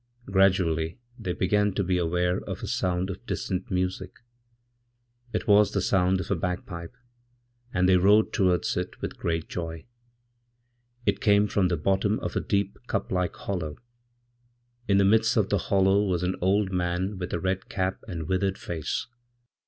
Gradually they began to beaware of a sound of distant music. It was the sound of a bagpipe, andthey rode towards it with great joy. It came from the bottom of adeep, cup like hollow. In the midst of the hollow was an old man witha red cap and withered face.